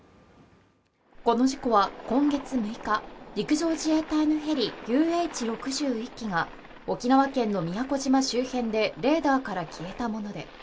この事故は、今月６日、陸上自衛隊のヘリＵＨ６０１機が沖縄県の宮古島周辺でレーダーから消えたものです。